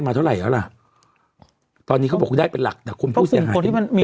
เท่าไหร่แล้วล่ะตอนนี้เขาบอกได้เป็นหลักแต่คุณผู้เสียหายคนที่มันมี